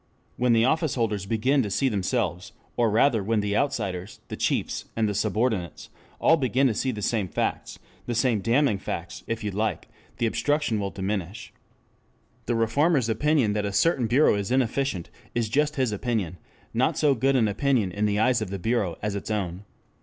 When the office holders begin to see themselves, or rather when the outsiders, the chiefs, and the subordinates all begin to see the same facts, the same damning facts if you like, the obstruction will diminish. The reformer's opinion that a certain bureau is inefficient is just his opinion, not so good an opinion in the eyes of the bureau, as its own.